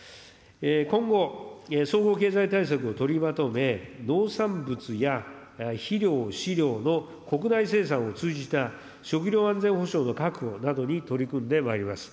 今後、総合経済対策を取りまとめ、農産物や肥料、飼料の国内生産を通じた食料安全保障の確保などに取り組んでまいります。